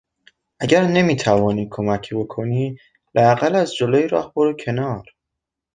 اگر نمیتوانی کمکی بکنی لااقل از جلوی راه برو کنار!